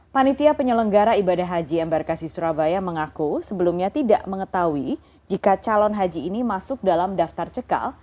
panitia penyelenggara ibadah haji embarkasi surabaya mengaku sebelumnya tidak mengetahui jika calon haji ini masuk dalam daftar cekal